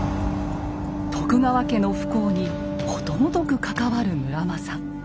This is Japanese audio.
徳川家の不幸にことごとく関わる村正。